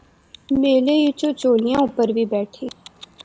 میلے اچ اوہ چُہولیاں اوپر وی بیٹھے